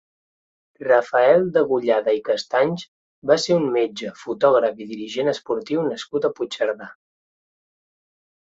Rafael Degollada i Castanys va ser un metge, fotògraf i dirigent esportiu nascut a Puigcerdà.